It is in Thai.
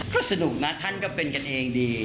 ก็สนุกนะท่านก็เป็นกันเองดี